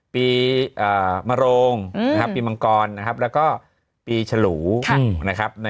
ปีมโรงนะครับปีมังกรนะครับแล้วก็ปีฉลูนะครับ